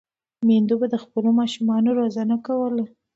میندو به د خپلو ماشومانو روزنه کوله.